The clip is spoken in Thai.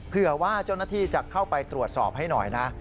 เผื่อว่าเจ้าหน้าที่จะเข้าไปตรวจสอบให้หน่อยนะ